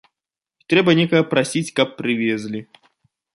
І трэба некага прасіць, каб прывезлі.